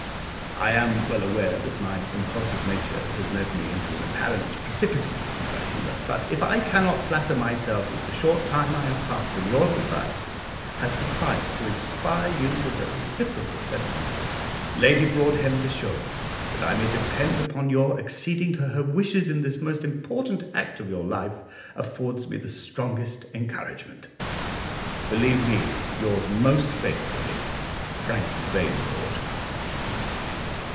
I am well aware that my impulsive nature has led me into an apparent precipitancy in writing thus; but if I cannot flatter myself that the short time I have passed in your society has sufficed to inspire you with a reciprocal sentiment, Lady Broadhem's assurance that I may depend upon your acceding to her wishes in this the most important act of your life, affords me the strongest encouragement. Believe me, yours most faithfully, "FRANK VANECOURT."